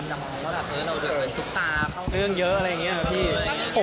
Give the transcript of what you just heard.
พร้อมจะบอกว่าเราเดินเป็นสุภาพเข้าเรื่องเยอะอะไรอย่างนี้ครับพี่